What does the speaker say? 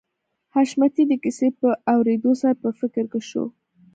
حشمتي د کيسې په اورېدو سره په فکر کې شو